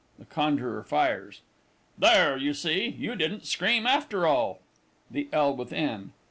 (The Conjuror fires.) There, you see, you didn't scream, after all! THE L. WITH N.